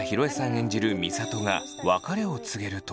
演じる美里が別れを告げると。